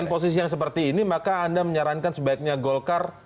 dengan posisi yang seperti ini maka anda menyarankan sebaiknya golkar